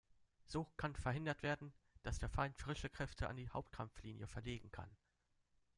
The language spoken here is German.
So kann verhindert werden, dass der Feind frische Kräfte an die Hauptkampflinie verlegen kann.